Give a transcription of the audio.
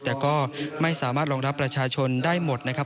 แต่ก็ไม่สามารถรองรับประชาชนได้หมดนะครับ